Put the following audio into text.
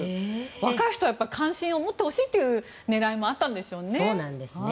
若い人は関心を持ってほしいという狙いもそうなんですね。